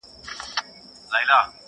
د هلک موري سرلوړي په جنت کي دي ځای غواړم!.